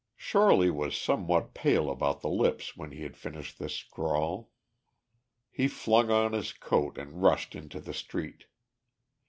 Shorely was somewhat pale about the lips when he had finished this scrawl. He flung on his coat, and rushed into the street.